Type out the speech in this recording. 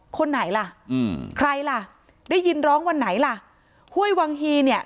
คนไหนล่ะอืมใครล่ะได้ยินร้องวันไหนล่ะห้วยวังฮีเนี่ย